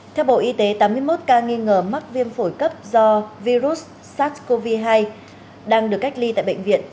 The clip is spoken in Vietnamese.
theo bộ y tế tám mươi một ca nghi ngờ mắc viêm phổi cấp do virus sars cov hai đang được cách ly tại bệnh viện